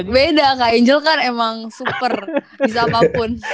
beda kak angel kan emang super bisa apapun